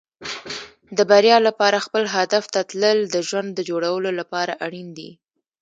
د بریا لپاره خپل هدف ته تلل د ژوند د جوړولو لپاره اړین دي.